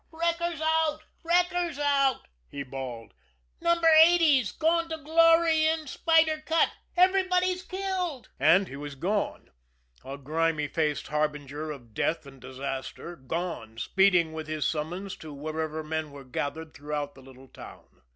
"Wreckers out! Wreckers out!" he bawled. "Number Eighty's gone to glory in Spider Cut. Everybody's killed" and he was gone, a grimy faced harbinger of death and disaster; gone, speeding with his summons to wherever men were gathered throughout the little town.